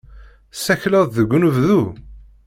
Tessakleḍ deg unebdu?